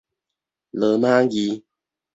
羅馬字